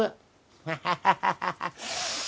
ハハハハ！